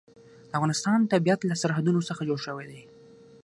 د افغانستان طبیعت له سرحدونه څخه جوړ شوی دی.